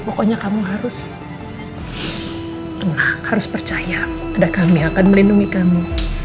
pokoknya kamu harus tenang harus percaya ada kami akan melindungi kamu